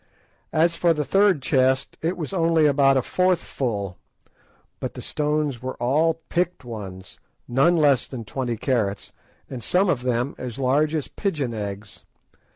As for the third chest, it was only about a fourth full, but the stones were all picked ones; none less than twenty carats, and some of them as large as pigeon eggs.